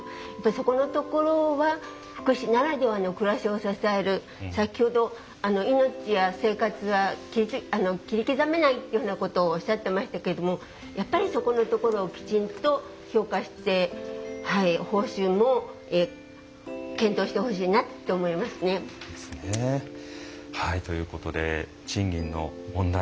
そこのところは福祉ならではの暮らしを支える先ほど、命や生活は切り刻めないというふうなことをおっしゃってましたけどやっぱりそこのところをきちんと評価して報酬も検討してほしいなって思いますね。ということで賃金の問題